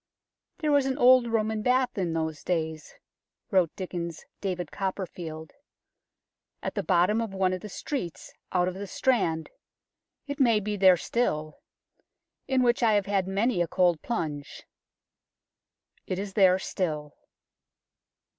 There was an old Roman Bath in those days," wrote Dickens 's David Copperfield, " at the bottom of one of the streets out of the Strand it may be there still in which I have had many a cold plunge." It is there still.